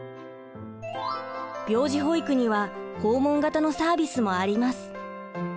病児保育には訪問型のサービスもあります。